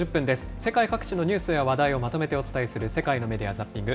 世界各地のニュースや話題をまとめてお伝えする世界のメディア・ザッピング。